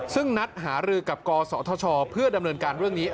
ซึ่งนัดหารือกับกศธชเพื่อดำเนินการเรื่องนี้